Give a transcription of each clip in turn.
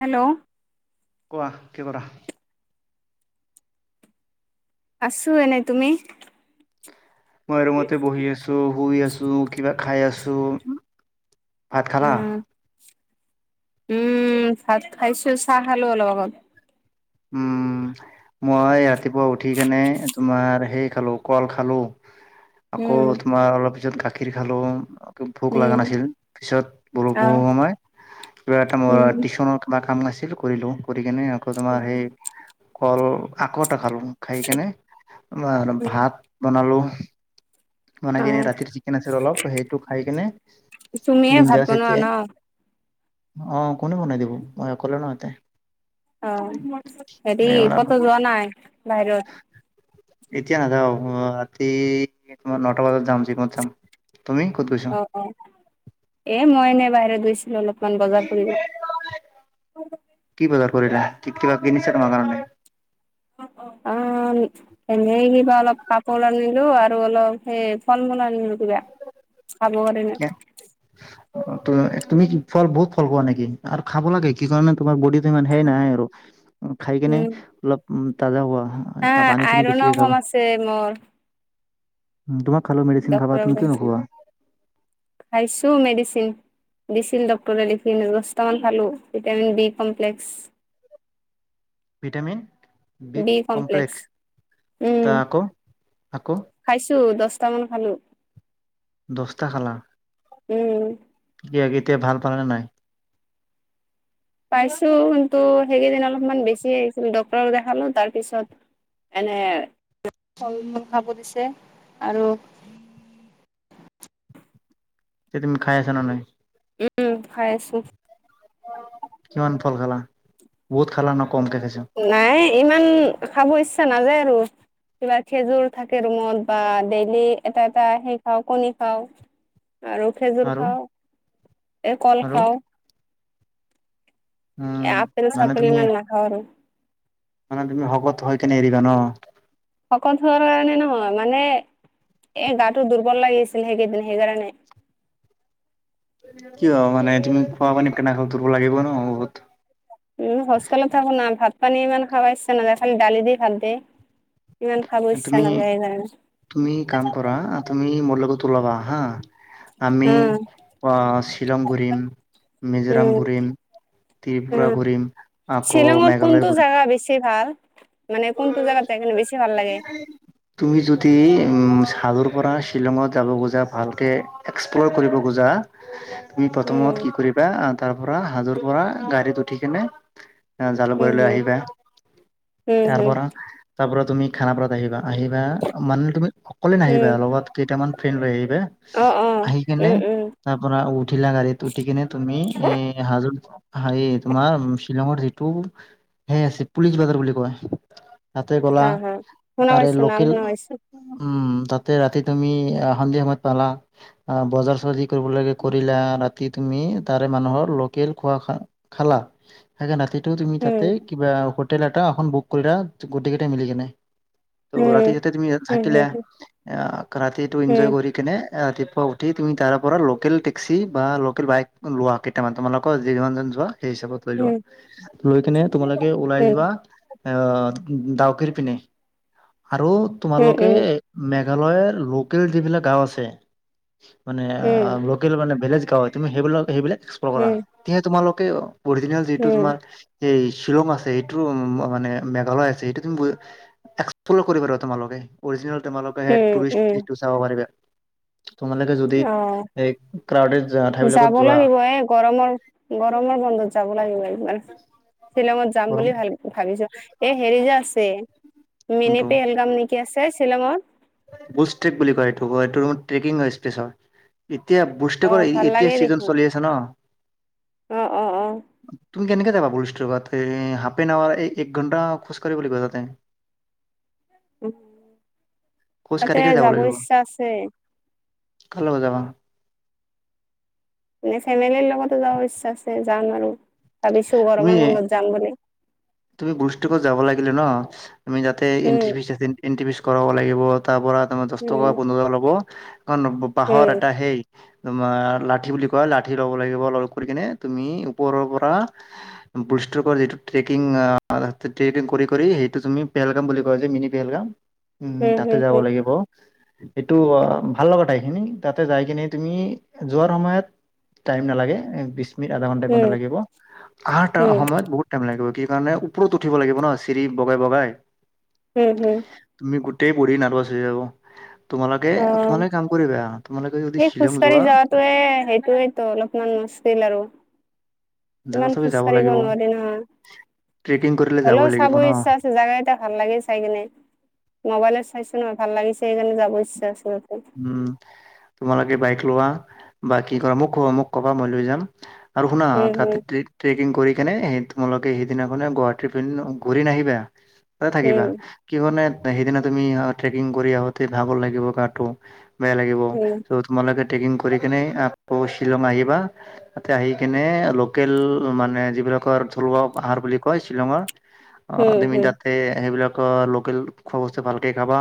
Hello, কোৱা কি কৰা? আছো এনে তুমি? মই ৰৰুমতে বহি আছো শুই আছো কিবা খাই আছো। ভাত খালা। উম উম, ভাত খাইছো চাহ খালো অলপ অকত উম, মই ৰাতিপুৱা উঠি কেনে তোমাৰ সেই খালো কল খালো আকৌ উম তোমাৰ অলপ পিছত গাখীৰ খালো। ভোক লগা উম নাছিল পিছত ব অ বহু সময় কিবা এটা উম টিউশচনৰ কিবাক কাম আাছিল কৰিলো কৰি কিনে সেই কল আকত খালো খাই কেনে উম ভাত বনালো। বনাই অ, কিনে ৰাতিৰ চিকেন আছিল অলপ সেইটো খাই কেনে তুমিয়ে ভাত বিন্দাছ বনোৱা এতিয়া ন। [inaudible] অ, কোনে বনাই দিব মই অকলে নহ এতে। অ, হেৰি কত যোৱা নাই বাহিৰত। এতিয়া নাযাওক ৰাতি তোমাৰ নটা বজাত যাম জিমত যাম। তুমি ক'ত গৈছা অ - অ এ মই এনে বাহৰে গৈছিলো অলপ। কিমান বজাৰ কৰিব। কি বজাৰ কৰিলা কি- কিবা কিনিছা তোমাৰ কাৰণে? অ - অ। অ, এনে কিবা অলপ কাপোৰ আনিলো আৰু অলপ সেই ফল মূল আনিলো কিবা। আবৰিনে অ, ত, তুমি কি ফল বহুত ফল পোৱা নেকি আৰু খাব লাগে কি কাৰণে তোমাৰ বডিত মান সেই নাই আৰু খাই কেনে উম অলপ উম, তাজা হা হোৱা। পানীখিনি আইৰনো বেছিকৈ কম খাবা। আছে মোৰ তোমাক ক'লো মেডিচিন খাবা ডক্তৰক তুমি কিয় দেখাইছিলো নোখোৱা। খাইছো মেডিচিন। দিছিল ডাক্তৰে লিখি দহতামান খালো vitamin B complex. Vitamin B complex তা উম, আকৌ আকৌ খাইছো দচটামান খালো। দস্তা খালা। উম, কিয় এতিয়া ভাল পালা নে নাই। পাইছো কিন্তু সেই দিনা অলপমান বেছি আহিছিল ডক্টৰ দেখালো তাৰ পিছত এনে ফল মূল খাব দিছে আৰু। তে তুমি খাই আছা নে নাই। উম, খাই আছো। কিমান ফল খালা বহুত খালা ন। কমকে খাইছা নাই ইমান খাব ইচ্ছা নাযায় আৰু। কিবা খেজুৰ থাকে ৰুমত বা ডেইলি এটা এটা সেই খাও কণী খাও। আৰু খেজুৰ আৰু খাও এই ক'ল আৰু খাও। উম আপেল মানে চাপেল তুমি ইমান নাখাও আৰু। মানে তুমি শকত হৈ কিনি এৰিবা ন। শকত হোৱাৰ কাৰণে নহয় মানে। এ গাটো দুৰ্বল লাগিছিল সেইকেইদিন সেইকাৰণে কিয় মানে তুমি খোৱা পানী কেনে খাও দুৰ্বল লাগিব ন বহুত। উম, হোষ্টেলত থাকো না ভাত পানী ইমান খাবা ইচ্ছা নাযায় খালি ডালি দি ভাত দে। তুমি - তুমি কাম কৰা তুমি মোৰ লগত উলাবা হা। আমি উম শ্বিলং ঘূৰিম মিজোৰাম উম ঘূৰিম। উম। ত্ৰিপুৰা ঘূৰিম, আকৌ মেঘালয় ঘূৰিম। কি ভাল? মানে কোনটো জাগাত যাই কিনে বেছি ভাল লাগে? তুমি যদি উম। হাজোৰ পৰা শ্বিলঙত যাব খোজা, ভালকে এক্সপ্ল'ৰ কৰিব খোজা। তুমি উম প্ৰথমত কি কৰিবা আ, তাৰ পৰা হাজোৰ পৰা গাড়ীত উঠি কিনে আ, উম জালুকবাৰীলৈ হুম আহিবা উম হুম তাৰপৰা তাৰপৰা তুমি খানাপাৰাত আহিবা। আহিবা মানে তুমি অকলে উম নাহিবা লগত কেইটামান ফ্ৰেণ্ড লৈ আহিবা। অ অ উম আহিকিনে উম তাৰপৰা উঠিলা গাড়ীত, উঠি কেনে তুমি এ হাজোত হাৰে তোমাৰ শ্বিলঙৰ যিটো সেই আছে পুলিচ বাজাৰ বুলি কয়। তাতে গ'লা অ হ শুনা তাৰে পাইছো নাম লোকেল শুনা পাইছো উম তাতে ৰাতি তুমি সন্ধিয়া সময়ত পালা অ বজাৰ চজি কৰিব লাগে কৰিলা ৰাতি তুমি তাৰে মানুহৰ লোকেল খোৱা খালা খাই কেনে ৰাতি তুমি উম তাতে কিবা হোটেল এটা এখন বুক কৰিলা গোটেই কেইটাই মিলি কেনে। অ' উম ৰাতিটোত তুমি তাত উম থাকিলা হুম আহ ৰাতিটো এনজয় কৰি কেনে ৰাতিপুৱা উঠি তুমি তাৰ পৰা লোকেল টেক্সি বা লোকেল বাইক লোৱা কেইটামান তোমালোকৰ যিমানজন যোৱা সেই হিচাপত লৈ লোৱা হুম লৈ কেনে তোমালোকে ওলাই উম যোৱা এ দাউকিৰ পিনে আৰু উম উম তোমালোকে উম মেক মেঘালয়ৰ লোকেল যিবিলাক গাও আছে মানে উম লোকেল মানে বেলেগ হয় তুমি সেইবিলাক সেইবিলাক এক্সপ্লৰ কৰা উম তে তোমালোকে অৰিজিনেল যিটো উম তোমাৰ এই শ্বিলং আছে এইটো উম মানে মেঘালয় আছে এইটো তুমি এক্সপ্লৰ কৰিবা আৰু তোমালোকে অৰ্জিনাল তোমালোকে সেই উম টুৰিষ্ট উম ইটো চাব পাৰিবা। তোমালোকে যদি অ', এই ক্ৰাউডেড ঠাইবিলাকত যাব যোৱা লাগিব এ গৰমৰ গৰমৰ বন্ধত যাম। লাগিব লাগিব শ্বিলঙত যাম গৰম বুলি ভা ভাবিছো এই হেৰি যে আছে মিনিপেহেলগাম নে কি আছে শ্বিলঙত। বুষ্ট ট্ৰেক বুলি কয় এইটো এইটো ট্ৰেকিং স্পেচ হয়। এতিয়া বুষ্টেকৰ অ' ভাল এতিয়া লাগে চিজন দেখোন চলি আছে ন। অ, অ, অ। তুমি কেনেকৈ যাবা বুল ষ্ট্ৰেকত এই হাফ এন আৱাৰ এই এক ঘণ্টা খোজকাঢ়িব লাগিব তাতে। খোজ তাতে কাঢ়ি কাঢ়ি যাব লাগিব ইচ্ছা আছে। কাৰ লগত যাবা? এ ফেমিলিৰ লগতো যাব ইচ্ছা আছে যাম আৰু ভাবিছো গৰমৰ তুমি বন্ধত যাম বুলি। তুমি গ্ৰুষ্টকত যাব লাগিলে ন তুমি যাতে উম এণ্ট্ৰি ফিচ আছে। এণ্টি ফিচ কৰাব লাগিব তাৰপৰা ত দহ উম টকা পোন্ধৰ টকা ল'ব কাৰণ বাঁহৰ উম এটা সেই তোমাৰ লাঠি বুলি কয় লাঠি ল'ব লাগিব লগ কৰি কিনে তুমি ওপৰৰ পৰা সেইটো কৰে এইটো ট্ৰেক ট্ৰেকিং কৰি কৰি সেইটো তুমি পেলগাম বুলি যে মিনি পেহেলগাম উম, হম তাতে হম যাব লাগিব। এইটো ভাল লগা টাইটেনিক তাতে যাই কিনে তুমি যোৱাৰ সময়ত টাইম নালাগে বিশ মিনিট আধা ঘন্টা এক ঘণ্টা হম লাগিব আহটা হম সময়ত বহুত টাইম লাগিব। সেই কাৰণে ওপৰত উঠিব লাগিব ন চিৰি বগাই বগাই হম, হম, েই প নাৰ্বছ [unintelligible] অ যদি সেই শ্বিলং খোজকাঢ়ি যোৱা যোৱাটোয়ে সেইটোয়েই তো অলপমান তেল আৰু- জাগা ইমান চাবি খোজ যাব কাঢ়িব লাগিব। নোৱাৰি নহয়। ট্ৰেকিং কৰিলে যাবই হ'লেও লাগিব চাব ন ইচ্ছা আছে জাগা কিটা ভাল লাগে চাই কিনে মোবাইলত চাই নহয় ভাল লাগিছে সেইকাৰণ যাব ইচ্ছা আছে তাতে উম, তোমালকে বাইক লোৱা বা কি কৰা মোক কবা মোক ক'বা মই লৈ যাম আৰু শুনা উম তাতে ট্ৰেকিং কৰি কেনে সেই তোমালোকে সেইদিনাখনে গুৱাহাটীৰ পিন্ ঘূৰি নাহিবা তাতে হুম থাকিবা কিহনে সেইদিনা তুমি ট্ৰেকিং কৰি আহোতে ভাগৰ লাগিব গাটো বেয়া লাগিব উম ত' তোমালোকে ট্ৰেকিং কৰি কেনে টো শ্বিলং আহিবা তাতে আহি কিনে লোকেল মানে যিবিলাকৰ থলুৱা বুলি কয় শ্বিলঙৰ অ উম উম তুমি হুম তাতে সেইবিলাক ত লোকেল খোৱা বস্তু ভালকে খাবা।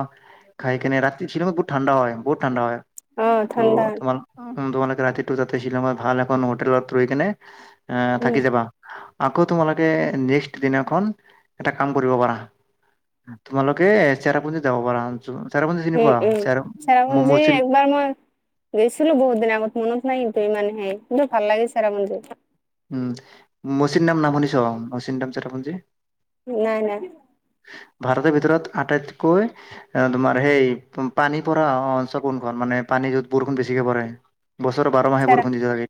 খাই কেনে ৰাতি শ্বিলং বুহুত ঠাণ্ডা হয় বহুত ঠাণ্ডা হয়। অ ত ঠাণ্ডা তোমা উ তোমালোকে ৰাতিটো তাতে শ্বিলংত ভাল এখন হোটেলত ৰৈ কেনে আহ, উম থাকি যাবা। আকৌ তোমালোকে নেক্সত দিনাখন এটা কাম কৰিব পাৰা তোমালোকে চেৰাপুঞ্জি যাব পাৰা চেৰাপুঞ্জি চিনি পোৱা চে যি একবাৰ মই গেছিলো বহুত দিন আগত মনত নাই ই মানে সেই কিন্তু ভাল লাগিছে চেৰাপুঞ্জী উম, মৌচিন নাম, নাম শুনিছ। মৌচিন নাম চেৰাপুঞ্জী নাই, নাই,। ভাৰতৰ ভিতৰত আটাইতকৈ তোমাৰ সেই পানী পৰা অঞ্চ কোনখন মান নে পানী যত বৰষুণ বেছিকে পৰে বছৰৰ বাৰ মাহে চেৰা বৰষু দি থাকে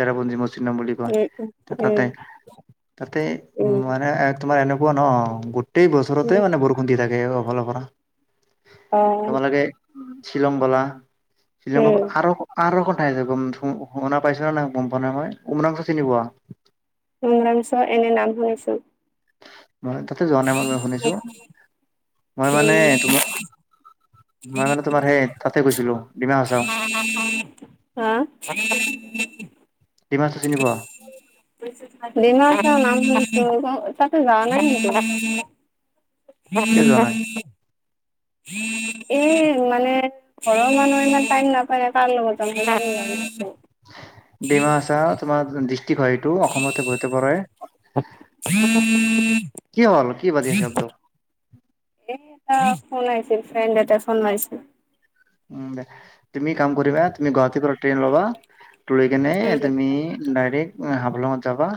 চেৰাপঞ্জী মোচিনৰাম উম উম তাতে, তাতে উ উম উম মানে তোমাৰ এনেকুৱা হোৱা ন গোটেই বছৰতে উম মানে বৰষুণ দি থাকে অফালৰ পৰা আহ,। শ্বিলংবালা শ্বিলংৰ আৰু আৰু তাইযে গুম ছুম শুনা পাইছো ন নাই গম পোৱা নাই মই উমৰাংচু চিনিপোৱা উৰাংছু এনে নাম শুনিছো। মই তাতে যোৱা নাই মই শুনিছো মই মানে তোমাৰ [inaudible] মই মানে তোমাৰ সেই তাতে গৈছিলো ডিমা হাচাও আহ। ডিমা হাচাও চিনি পোৱা [inaudible] তাতে যাওৱা নাই কিন্তু। এই মানে ঘৰৰ কিয় যোৱা নাই মানুহ ইমান টাইম নাপায় না কাৰ লগত যাব খুজিছো। ডিমা আছাওঁ তোমাৰ দিছ হয়টো অসমতে বৈত পৰে। উম উম কি হ'ল কি বাজি আছে [inaudible] শব্দ এ এটা ফোন আইিছিল ফ্ৰেণ্ড এটা ফোন মাৰিছিল। উম দে তুমি কাম কৰিবা তুমি গুৱাহাটী পৰা ট্ৰেইন ল'বা লৈ কেনে উম তুমি ডাইৰেক্ট হাফলঙত যাবা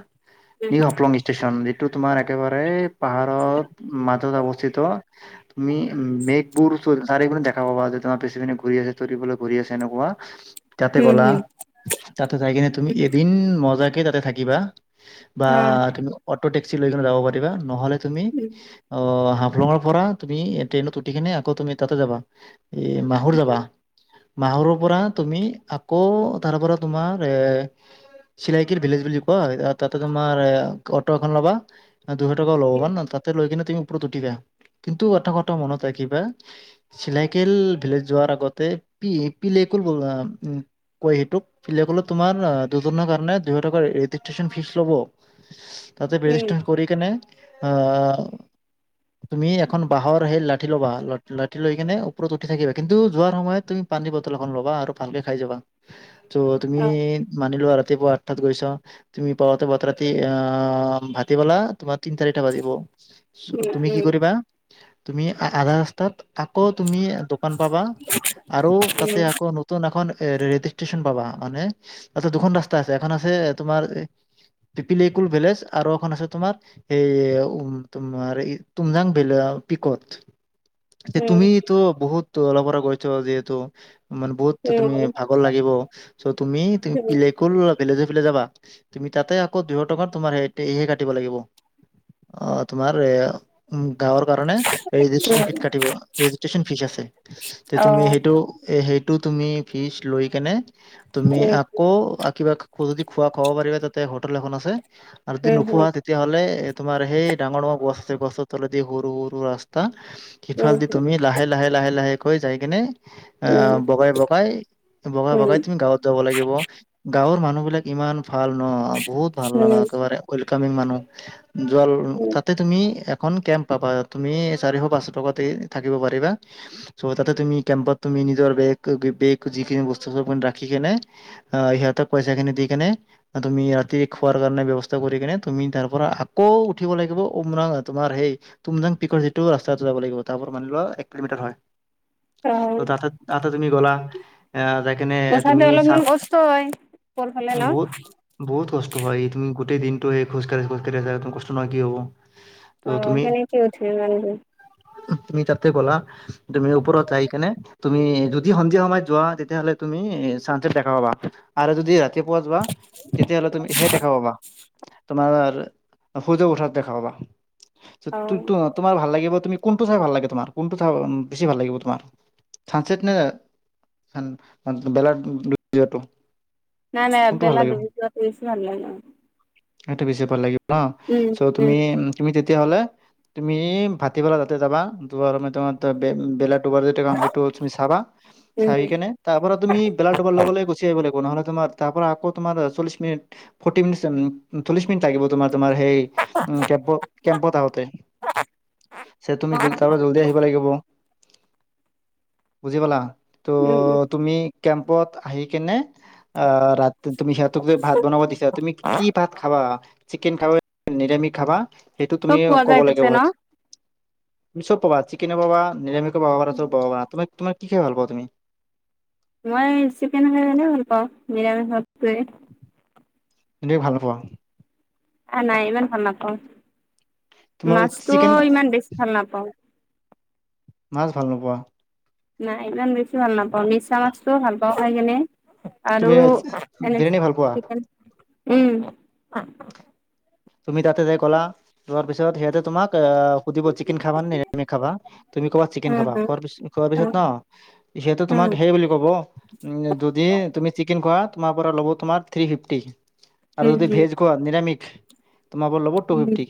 নিউ হাফলং ষ্টেচন যিটো তোমাৰ একেবাৰে পাহাৰত মাজত অৱস্থিত। তুমি মেঘবোৰ চাৰিপিনে দেখা পাবা তোমাৰ পিছি পিনে ঘূৰি আছে, তৰিবলৈ ঘূৰি আছে এনেকুৱা তাতে গ'লা উম তাতে যাই কিনে তুমি উম এদিন মজাকে তাতে থাকিবা। বা হম তুমি অটো টেক্সি লৈ কিনে যাব পাৰিবা নহলে তুমি উম অ হাপ হাফলঙৰ পৰা তুমি ট্ৰেইনত উঠি কিনে আকৌ তুমি তাতে যাবা এ মাহুৰ উম যাবা। মাহৰুৰ পৰা তুমি আকৌ তাৰ পৰা তোমাৰ এৰ চিলাইকিৰ ভিলেজ বুলি কয় তাতে তোমাৰ অটো এখন ল'বা। ন দুশ টকাও লব উম ন তাতে লৈ কিনে তুমি ওপৰত উঠিবা, কিন্তু এটা কথা মনত ৰাখিবা চিলাই লোকেল ভিলেজ যোৱাৰ আগতে পি পিল [unintelligible] ক সেইটোোক পিলাকলত তোমাৰ দুজনৰ কাৰণে দুশ টকাৰ ৰেজিষ্ট্ৰন ফিজ লব। তাতে উম বেৰিষ্টে কৰি কেনে আহ তুমি এখন বাঁহৰ সেই লাঠি ল'বা ল লাঠি লৈ কিনে ওপৰত উঠি থাকিবা কিন্তু যোৱাৰ সময়ত তুমি পানীৰ বটল এখন ল'বা আৰু ভালকে খাই যাবা ত তুমি উম মানিলো ৰাতিপুৱা আঠাত গৈছ তুমি পাওতে বত ৰাতি অ', ভাটিবলা তোমাৰ তিনটা বাজিৱ তুমি কি উম কৰিবা তুমি আধা ৰা তুমি দোকান পাবা আৰু তাতে আকৌ নতুন এখন ৰেল ষ্টচন পাবা মান তছ দুখন ৰাস্তা আছে এখন আছে তোমাৰ পিপিলকুল ভেজ আৰু এখন আছে তোমাৰ এই উ তোমাৰ তুমজাং ভিলেজ পিকত উম তুমিতটো বহুত অল পৰা গৈছ যিহেতু মানে বহুত তুমি উম ভাগৰ লাগিব চ' তুমি পিলকুলজ যাবা তুমি তাতে আকৌ দুশ টকা তোমাৰহে কাটিব লাগিব অ', তোমাৰ এ উ গাঁৱৰ কাৰণে ৰেষ্ট্ৰিকচন কাটিব লাগিব ন ফিজ আছে অ তুমি সেইটো সেইটো তুমি ফিজ লৈ কেনে তুমি উম আকৌ কিবা যদি খোৱা খাব পাৰিবা তাতে হোটেল এখন আছে আৰু যদি উম হম নোখোৱাা তেতিয়াহ'লে তোমাৰ সেই ডাঙৰ, ডাঙৰ গছ আছে গছৰ তলেদি সৰু সৰু ৰাস্তা উম সফালে দি তুমি লাহে, লাহে, লাহে, লাহে কৈ যাই কিনে উম আহ বগাই, বগাই বগাই, বগাই উম তুমি গাঁৱত যাব লাগিব গাঁৱৰ মানুহ বিলাক ইমান ভাল ন বহুত ভাল লগা উম একেবাৰে ওৱেলকামিং মানুহ য উম তাতে তুমি এখন কেম্প পাবা তুমি চাৰিশ পাঁচশ টকা থা পিবা' তাতে তুমি কেম্পত তুমি নিজৰ বেগ বেগ যিখিনি বস্তু চ ৰাখি কি সিহঁতক পইচা খিনি দি কেনে তুমি ৰাতি খোৱাৰ কাৰণে ব্যৱস্থা কৰি কেনে তুমি তাৰ পৰা আকৌ উঠিব লাগিব মৰাং তোমাৰ সেই তুমজাং পিকৰ যিটো ৰাস্তা যাব লাগিব তাৰ মানি‌ লোৱো এক কিলোমিটাৰ হয় অ তাতে তুমি গ'লা আহ তাই কেনে উঠাতে তুমি চ অলপমান কষ্ট হয় ওপৰ ফালে ন বহুত, বহুত কষ্ট হয় তুমি গোটেই দিনটো খোজকাঢ়ি খোজঢ়ি কষ্ট নহ কি হ'ব ত অ', তুমি সেনেকি উঠিম ইমান দূৰ তুমি তাৰতে ব'লা তুমি ওপৰতৰত যা ই কেনে তুমি যদি সন্ধিয়া সময়ত যোৱা তেতিয়াহ'লে তুমি চানচেট দেখা পাবা আৰু যদি ৰা তি পোৱা বাা তেতিয়াহ'লে তুমি সেই দেখাবাবা তোমাৰ সূৰ্য উঠাৰ দেখাবা অ তোমাৰ ভাল লাগিব তুমি কোনটো চাই ভাল লাগে তোমাৰ কোনটো চ বেছি ভাল লাগিব তোমাৰ চান নে চান ম বেলটো [unintelligible] নাই, নাই বেলা দুবি যোৱা টো বেছি ভাল লাগে সেইটো বেছি ভাল লাগিব ন উম, চ উম, তুমি, তুমি তেতিয়াহলে তুমি ভাটিবেলা তাতে যাবা দুবাৰ সময় তোমাৰ বেলোত দুবাৰ যেয়া কাম এইটো তুমি চাবা উম, চাইি কিনে তাৰ পৰা তুমি বেলা দুবাৰ লগে গুচি আহিব লাগিব নহ'লে মাৰ পৰা আকৌ তোমাৰ চল্লি মিন ফ চল্লিশ মিনিট লাগিব তোমাৰ তোমাৰ সেই কেম্প কেম্পত আহোঁতে তুমি যো তাৰ পৰা জল্দি আহিব লাগিব বুজি পালা ত' উম, উম, তুমি কেম্পত আহি কেনে আহ ৰাতি তুমি সিহঁতক যে ভাত বনাব দিছা তুমি কি ভাত খাবা চিকেন খাবা নিৰামিষ খাবা সেইটো তুমি চব পোৱা ক'ব যায় লাগে তাতে ন? তুমি চব পাবা চিকেনে পাবা নিৰামিও পাব পা চব পাবা তম তোম কি খাই ভাল পা তুমি মই চিকেন খাই পাও, নিৰামিষ সাতোৱে তেনে ভাল পোৱা আ', নাই ইমান ভাল নাপাওঁ, তোমাৰ মাছটো চিকেন ইমান বেছি ভাল নাপাওঁ মাছ ভাল নোপোৱা নাই ইমান বেছি ভাল নাপাওঁ, মিছা মাছটোও ভাল পাওঁ খাই কেনে আৰু তুমি এনে বিৰিয়ানী ভাল পোৱা উম তুমি তাতে ক'লা লোৱাৰ পিছত সিহঁতে তোমাক আহ সুধিব চিকেন খাবা নে ভেজ খাবা তুমি ক'বা চিকেন উম, খাবা উম, খোৱাৰ উম, পিছত ন যিহেতু তোমাৰ উম, তোমাক সেই বুলি ক'ব উ যদি তুমি চিকেন খোৱা তোমাৰ পৰা ল'ব তোমাৰ থ্ৰী ফিফটি আৰু উম, যদি ভেজ কোৱা নিৰামিষ তোমাৰ পৰা লব টু উম। ফিফটি